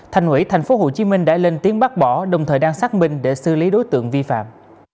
thành ủy thành phố hồ chí minh đã lên tiếng bác bỏ đồng thời đang xác minh để xử lý đối tượng vi phạm